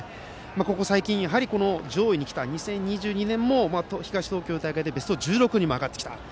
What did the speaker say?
ここ最近、上位に来た２０２２年も東東京大会でベスト１６にも上がってきた。